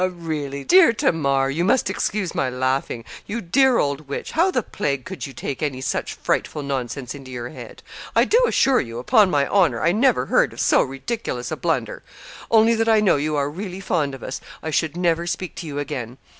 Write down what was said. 'Really, dear Tamar, you must excuse my laughing. You dear old witch, how the plague could you take any such frightful nonsense into your head? I do assure you, upon my honour, I never heard of so ridiculous a blunder. Only that I know you are really fond of us, I should never speak to you again.